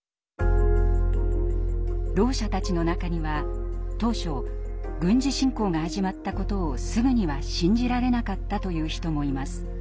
ろう者たちの中には当初軍事侵攻が始まったことをすぐには信じられなかったという人もいます。